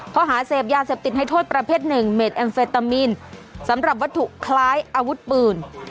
ข้อหาเสพยาเสพติดให้โทษประเภทหนึ่งเมดแอมเฟตามีนสำหรับวัตถุคล้ายอาวุธปืน